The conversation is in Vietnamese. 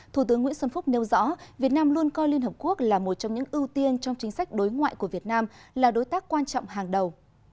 thủ tướng nguyễn xuân phúc nêu rõ việt nam luôn coi liên hợp quốc là một trong những ưu tiên trong chính sách đối ngoại của việt nam là đối tác quan trọng hàng đầu